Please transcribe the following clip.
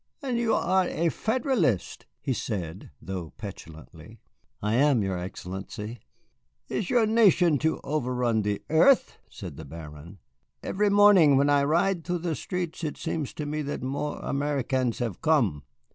"And you are a Federalist?" he said, though petulantly. "I am, your Excellency." "Is your nation to overrun the earth?" said the Baron. "Every morning when I ride through the streets it seems to me that more Americans have come.